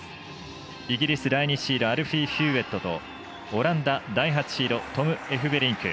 イギリス、第２シードアルフィー・ヒューウェットとオランダ、第８シードトム・エフベリンク。